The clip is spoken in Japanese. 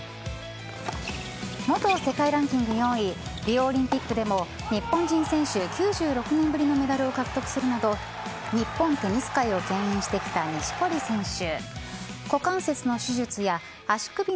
元世界ランキング４位、リオオリンピックでも、日本人選手９６年ぶりのメダルを獲得するなど、日本テニス界をけん引してきた錦織選手。